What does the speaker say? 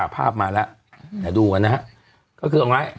ภาพมาแล้วอย่าดูกันนะฮะก็คืออย่างไร